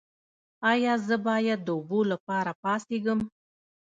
ایا زه باید د اوبو لپاره پاڅیږم؟